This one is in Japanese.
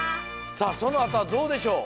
さあそのあとはどうでしょう？